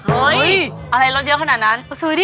เฮ้ยอะไรรดเยอะขนาดนั้น